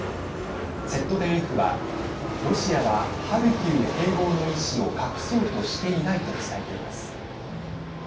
ＺＤＦはロシアは、ハルキウ併合の意志を隠そうとしていないと伝えています。